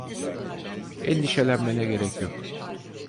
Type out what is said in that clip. Endişelenmene gerek yok.